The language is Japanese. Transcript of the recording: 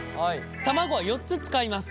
卵は４つ使います。